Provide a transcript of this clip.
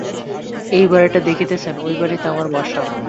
ঐযে বাড়িটা দেখিতেছেন ঐ বাড়িতে আমার বাসা।